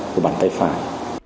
của bàn tay phải